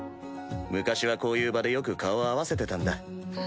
昔はこういう場でよく顔合わせてたんだ。